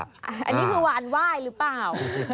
อันนี้คือวานไหว้หรือเปล่า